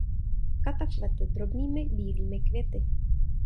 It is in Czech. Kata kvete drobnými bílými květy.